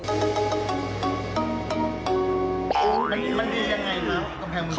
มันมีอย่างไรครับ